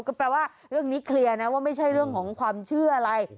ก็แปลว่าเรื่องนี้เคลียร์นะว่าไม่ใช่เรื่องของความเชื่ออะไร